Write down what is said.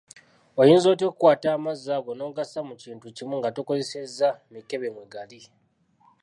Oyinza otya okukwata amazzi ago n’ogassa mu kintu kimu nga tokozesezza mikebe mwe gali.